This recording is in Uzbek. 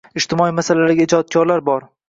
Ijtimoiy masalalarda ijodkorlar bor.